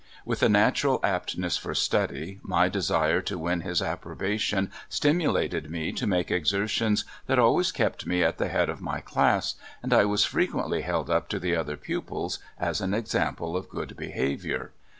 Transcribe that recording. With a natural aptness for study, my desire to win his approbation stimulated me to make exertions that always kept me at the head of my class, and I was frequently held up to the other pujoils as an example of good behavior.